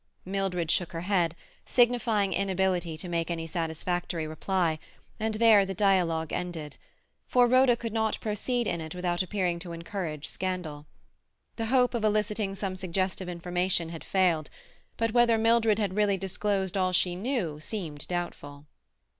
Mildred shook her head, signifying inability to make any satisfactory reply, and there the dialogue ended; for Rhoda could not proceed in it without appearing to encourage scandal. The hope of eliciting some suggestive information had failed; but whether Mildred had really disclosed all she knew seemed doubtful.